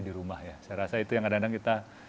di rumah ya saya rasa itu yang kadang kadang kita